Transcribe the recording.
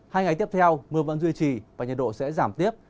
hai ngày tiếp theo mưa vẫn duy trì và nhiệt độ sẽ giảm tiếp